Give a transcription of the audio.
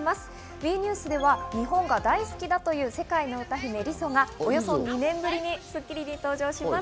ＷＥニュースは日本が大好きだという世界の歌姫リゾがおよそ２年ぶりに『スッキリ』に登場します。